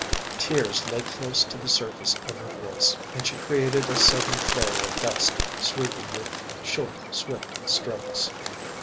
Tears lay close to the surface of her voice, and she created a sudden flurry of dust, sweeping with short, swift strokes.